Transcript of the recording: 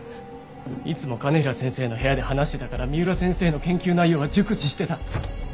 いつも兼平先生の部屋で話してたから三浦先生の研究内容は熟知してた。